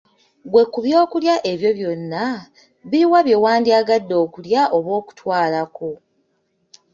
Ggwe ku byokulya ebyo byonna, biruwa bye wandyagadde okulya oba okutwalako ?